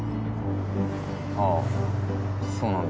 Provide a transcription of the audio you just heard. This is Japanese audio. ああそうなんだ。